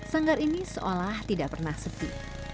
sanggar ini seolah tidak pernah sepi